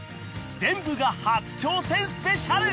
［全部が初挑戦スペシャル］